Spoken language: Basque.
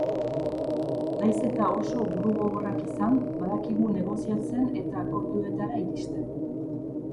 Nahiz eta oso burugogorrak izan, badakigu negoziatzen eta akordioetara iristen.